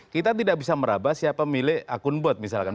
kita tidak bisa merabah siapa milik akun bot misalkan